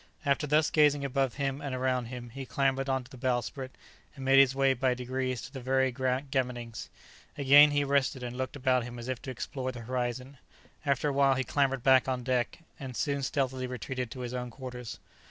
After thus gazing above him and around him, he clambered on to the bowsprit, and made his way by degrees to the very gammonings; again he rested and looked about him as if to explore the horizon; after a while he clambered back on deck, and soon stealthily retreated to his own quarters.